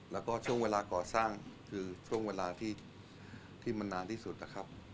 แล้วก็ช่วงเวลาก่อสร้างคือช่วงเวลาที่มันนานที่สุดนะครับ